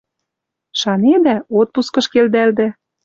Шанедӓ — отпускыш келдӓлдӓ